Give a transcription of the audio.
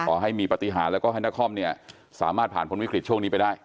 ขอให้มีปฏิหารแล้วก็ให้นครเนี่ยสามารถผ่านพ้นวิกฤตช่วงนี้ไปได้